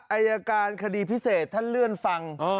อายการคดีพิเศษท่านเลื่อนฟัง